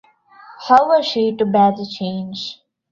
How was she to bear the change?